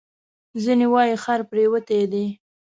ځینې وایي خر پرېوتی دی.